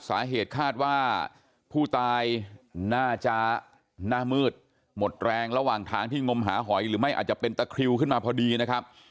สาเหตุคาดว่าผู้ตายน่าจะหน้ามืดหมดแรงระหว่างทางที่งมหาหอยหรือไม่อาจจะเป็นตะคริวขึ้นมาพอดีนะครับ